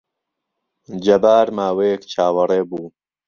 جەبار ماوەیەک چاوەڕێ بوو.